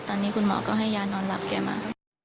ตอนนี้คุณหมอก็ให้ยานอนหลับแกมา